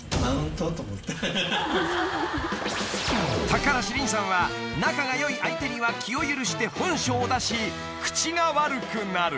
［高梨臨さんは仲が良い相手には気を許して本性を出し口が悪くなる］